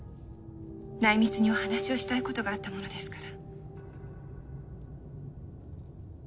内密にお話をしたいことがあったものですから。